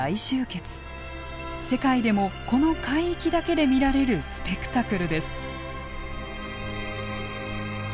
世界でもこの海域だけで見られるスペクタクルです。